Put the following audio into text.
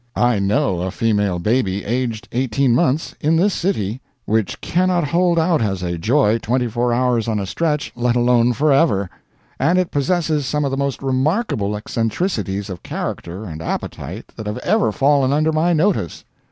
I know a female baby, aged eighteen months, in this city, which cannot hold out as a "joy" twenty four hours on a stretch, let alone "forever." And it possesses some of the most remarkable eccentricities of character and appetite that have ever fallen under my notice.